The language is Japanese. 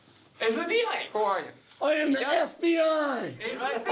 ＦＢＩ！